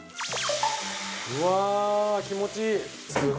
うわ気持ちいい